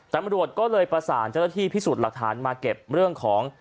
ตำรวจก็เลยประสานเจ้าหน้าที่พิสูจน์หลักฐานมาเก็บเรื่องของ